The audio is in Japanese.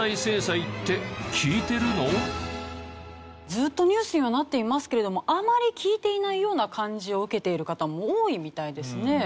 ずっとニュースにはなっていますけれどもあまり効いていないような感じを受けている方も多いみたいですね。